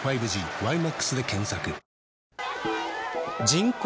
⁉人口